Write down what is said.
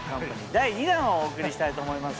第２弾をお送りしたいと思います。